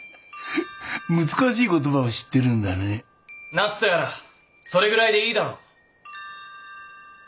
なつとやらそれぐらいでいいだろう。